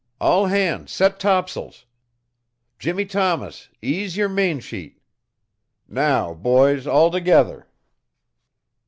All hands set tops'ls! Jimmie Thomas, ease your mainsheet! Now, boys, altogether!